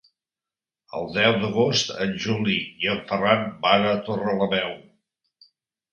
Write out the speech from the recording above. El deu d'agost en Juli i en Ferran van a Torrelameu.